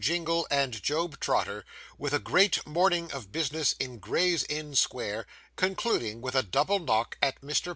JINGLE AND JOB TROTTER, WITH A GREAT MORNING OF BUSINESS IN GRAY'S INN SQUARE CONCLUDING WITH A DOUBLE KNOCK AT MR.